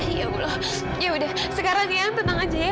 ya allah yaudah sekarang eang tenang aja ya